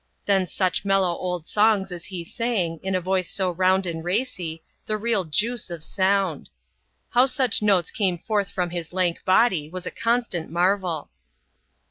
Then such mellow old songs as 1 saug, in a voice so round and racy, the real juice of soun How such notes came forth from his lank body was a constai marvel.